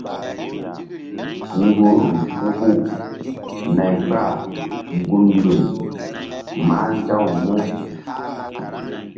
Mgburum hu-hu nay kpahgun ndoy mah nzaw mu.